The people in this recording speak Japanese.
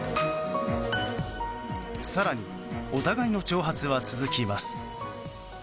更に、お互いの挑発は続きます。